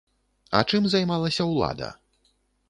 А чым займалася ўлада?